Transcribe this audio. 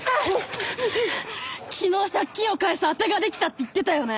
昨日借金を返すあてが出来たって言ってたよね？